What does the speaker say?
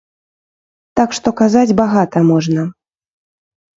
Так што казаць багата можна.